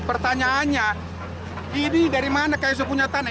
pertanyaannya ini dari mana kaisu punya tanah